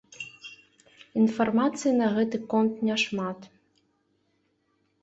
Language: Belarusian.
Інфармацыі на гэты конт няшмат.